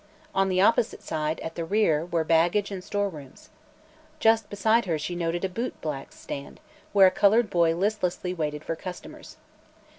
On the opposite side, at the rear, were baggage and storerooms. Just beside her she noted a boot black's stand, where a colored boy listlessly waited for customers.